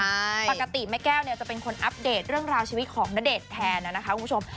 ปกติแม่แก้วเนี่ยจะเป็นคนอัปเดตเรื่องราวชีวิตของณเดชน์แทนนะคะคุณผู้ชม